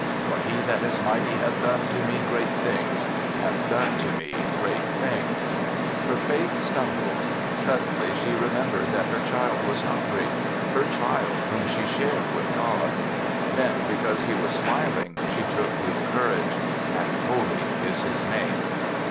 For he that is mighty hath done to me great things — hath done to me great things '' Her faith stumbled; suddenly she remembered that her child was hun gry—her child, whom she shared with God. Then, because he was smiling, she took new courage, *^ and holy is his name."